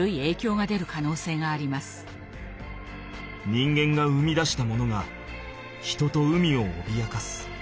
人間が生み出したものが人と海をおびやかす。